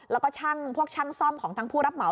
แล้วก็ช่างพวกช่างซ่อมของทั้งผู้รับเหมา